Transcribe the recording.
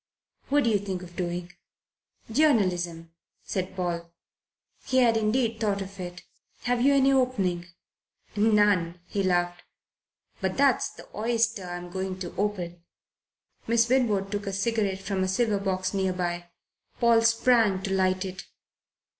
"What do you think of doing?" "Journalism," said Paul. He had indeed thought of it. "Have you any opening?" "None," he laughed. "But that's the oyster I'm going to open." Miss Winwood took a cigarette from a silver box near by. Paul sprang to light it.